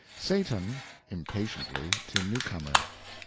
SATAN (impatiently) to NEW COMER.